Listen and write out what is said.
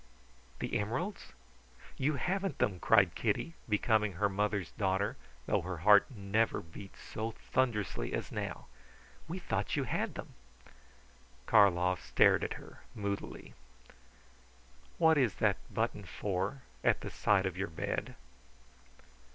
"The emeralds? You haven't them!" cried Kitty, becoming her mother's daughter, though her heart never beat so thunderously as now. "We thought you had them!" Karlov stared at her, moodily. "What is that button for, at the side of your bed?"